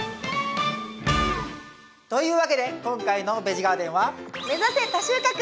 というわけで今回の「ベジガーデン」は。